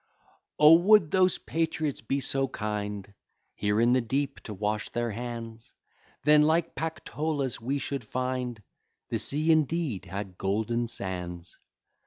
O! would those patriots be so kind, Here in the deep to wash their hands, Then, like Pactolus, we should find The sea indeed had golden sands.